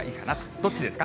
どっちですか？